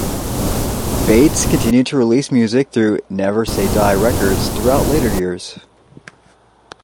Bates continued to release music through Never Say Die Records throughout later years.